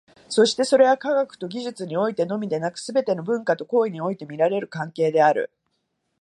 そしてそれは、科学と技術においてのみでなく、すべての文化と行為において見られる関係である。